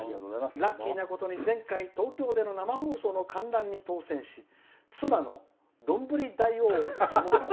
ラッキーなことに前回、東京での生放送の観覧に当選し、妻のどんぶりだいおう共々。